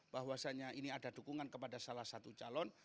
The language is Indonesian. bahwasannya ini ada dukungan kepada salah satu calon